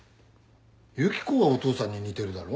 ユキコはお父さんに似てるだろ。